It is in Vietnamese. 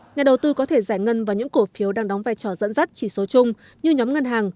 nhà đầu tư có thể giải ngân vào những cổ phiếu đang đóng vai trò dẫn dắt chỉ số chung như nhóm ngân hàng